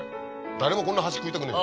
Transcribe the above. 誰もこんな端食いたくねえ。